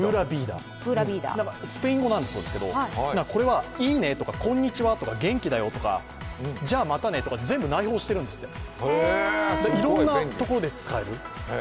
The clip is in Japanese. スペイン語なんだそうですけど、いいねとか、こんにちはとか元気だよとか、じゃあまたねとか全部内包してるんですって。